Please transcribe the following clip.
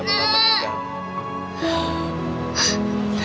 nenek gak boleh meninggal